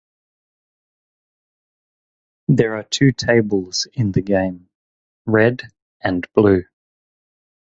There are two tables in the game: Red and Blue.